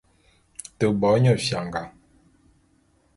Te bo nye fianga.